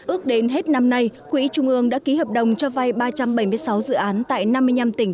ước đến hết năm nay quỹ trung ương đã ký hợp đồng cho vay ba trăm bảy mươi sáu dự án tại năm mươi năm tỉnh